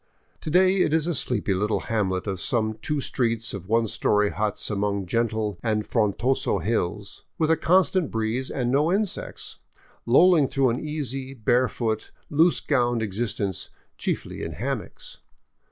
To day it is a sleepy little hamlet of some two streets of one story huts among gentle and fron doso hills, with a constant breeze and no insects, lolling through an easy, barefoot, loose gowned existence, chiefly in hammocks.